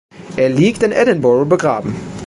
Er liegt in Edinburgh begraben.